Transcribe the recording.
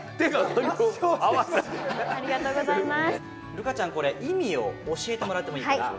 琉楓ちゃんこれ意味を教えてもらってもいいですか？